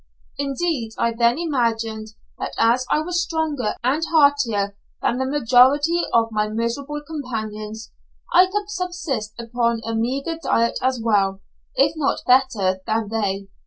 Indeed, I then imagined that as I was stronger and heartier than the majority of my miserable companions, I could subsist upon a meagre diet as well, if not better, than they.